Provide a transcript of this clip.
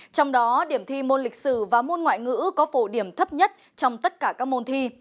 trong đó điểm thi môn lịch sử và môn ngoại ngữ có phổ điểm thấp nhất trong tất cả các môn thi